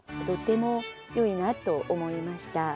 とてもよいなと思いました。